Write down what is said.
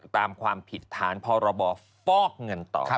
ตามความผิดท้านพอเราบอกฟอกเงินต่อไป